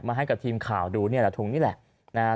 มาให้กับทีมข่าวดูถุงนี่แหละ